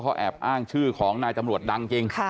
เขาแอบอ้างชื่อของนายตำรวจดังจริง